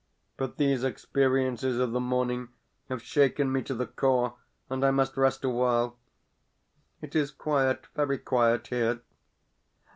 But these experiences of the morning have shaken me to the core, and I must rest awhile. It is quiet, very quiet, here.